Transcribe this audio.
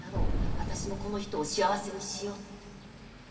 私もこの人を幸せにしようって。